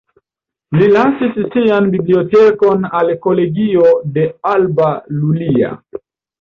Li lasis sian bibliotekon al kolegio de Alba Iulia.